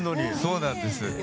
そうなんです。